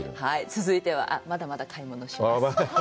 続いては、まだまだ買い物をします。